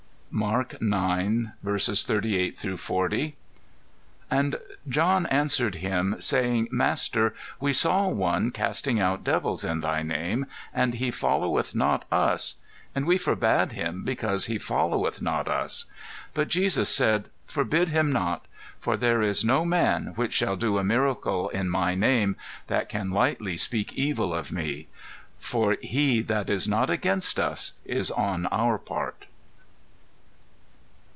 _ Copyright, 1910 by Paul Elder and Company OBIL KEEPER OF CAMELS ¶AND JOHN ANSWERED HIM, SAYING, MASTER, WE SAW ONE CASTING OUT DEVILS IN THY NAME, AND HE FOLLOWETH NOT US: AND WE FORBAD HIM, BECAUSE HE FOLLOWETH NOT US. ¶BUT JESUS SAID, FORBID HIM NOT: FOR THERE IS NO MAN WHICH SHALL DO A MIRACLE IN MY NAME, THAT CAN LIGHTLY SPEAK EVIL OF ME. ¶FOR HE THAT IS NOT AGAINST US IS ON OUR PART.